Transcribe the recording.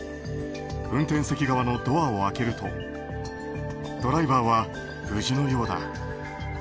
運転席側のドアを開けるとドライバーは、無事のようだ。